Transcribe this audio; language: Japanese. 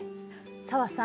紗和さん。